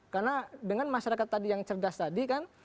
karena dengan masyarakat tadi yang cerdas tadi kan